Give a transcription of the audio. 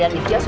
ya itu itu